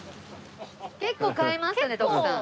結構買いましたね徳さん。